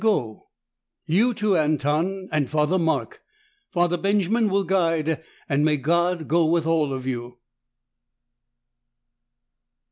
"Then go. You too, Anton, and Father Mark. Father Benjamin will guide, and may God go with all of you!"